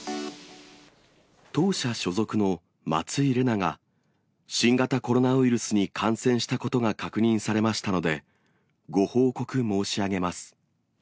当社所属の松井玲奈が新型コロナウイルスに感染したことが確認されましたので、ご報告申し上げます。